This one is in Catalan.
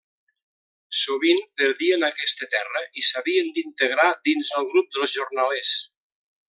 Sovint perdien aquesta terra i s'havien d'integrar dins el grup dels jornalers.